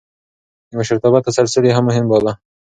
د مشرتابه تسلسل يې مهم باله.